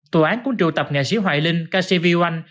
tòa án cũng trụ tập nghệ sĩ hoài linh ca sĩ vy oanh